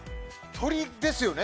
鳥ですよね？